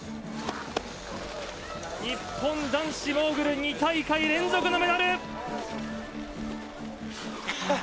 日本男子モーグル２大会連続のメダル！